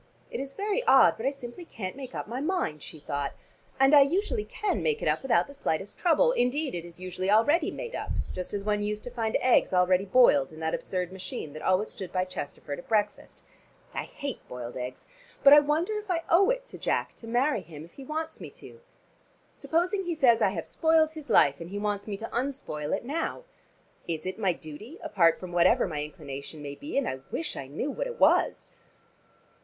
"It is very odd but I simply can't make up my mind," she thought, "and I usually can make it up without the slightest trouble; indeed it is usually already made up, just as one used to find eggs already boiled in that absurd machine that always stood by Chesterford at breakfast. I hate boiled eggs! But I wonder if I owe it to Jack to marry him if he wants me to? Supposing he says I have spoiled his life, and he wants me to unspoil it now? Is it my duty apart from whatever my inclination may be, and I wish I knew what it was?"